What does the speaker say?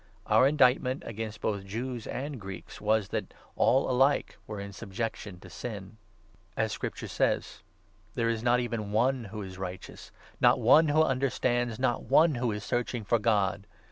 Our indictment against both Jews and Greeks was that all alike were in subjection to sin. '*•* Isa. 53. 5. * Ps. 116. ii ; 51. 4. ROMANS, 3. 355 As Scripture says — 10 ' There is not even one who is righteous, Not one who understands, not one who is searching for God